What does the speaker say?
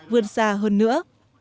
vượt xa hơn nữa